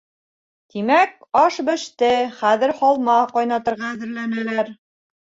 Тимәк, аш беште, хәҙер һалма ҡайнатырға әҙерләнәләр.